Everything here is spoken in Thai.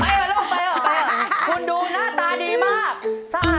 ไปเหอะลูกไปเหอะคุณดูหน้าตาดีมาก